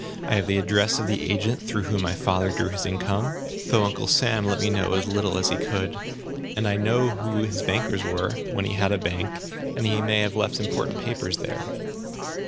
I have the address of the agent through whom my father drew his income, though Uncle Sam let me know as little as he could. And I know who his bankers were (when he had a bank), and he may have left important papers there."